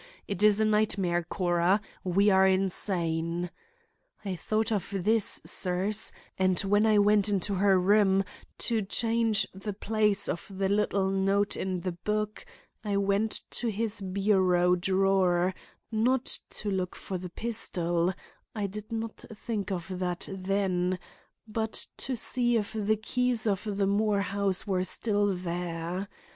It is a nightmare, Cora. We are insane.' I thought of this, sirs, and when I went into her room, to change the place of the little note in the book, I went to his bureau drawer, not to look for the pistol—I did not think of that then,—but to see if the keys of the Moore house were still there.